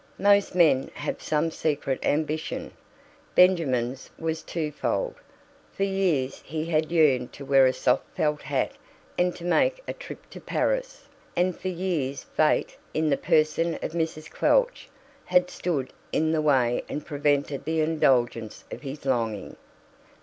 Most men have some secret ambition; Benjamin's was twofold. For years he had yearned to wear a soft felt hat and to make a trip to Paris, and for years Fate, in the person of Mrs. Quelch, had stood in the way and prevented the indulgence of his longing.